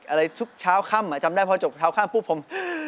อะไรทุกเช้าค่ำจำได้พอจบเช้าค่ำปุ๊บผม